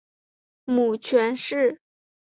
母权氏。